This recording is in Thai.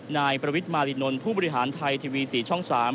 นายประวิทย์มารินนท์ผู้บริหารไทยทีวี๔ช่อง๓